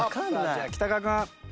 じゃあ北川君。